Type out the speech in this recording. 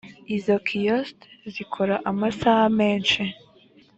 izo kiosks zikora amasaha menshi